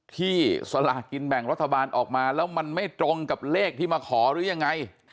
ที่สลากินแบ่งรัฐบาลออกมาแล้วมันไม่ตรงกับเลขที่มาขอหรือยังไง